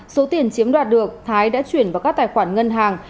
số tiền chiếm đoạt được thái đã chuyển vào các tài khoản ngân hàng